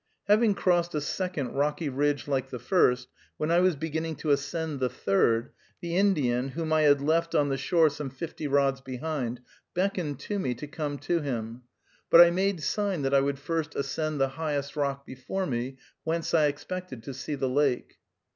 Having crossed a second rocky ridge like the first, when I was beginning to ascend the third, the Indian, whom I had left on the shore some fifty rods behind, beckoned to me to come to him, but I made sign that I would first ascend the highest rock before me, whence I expected to see the lake.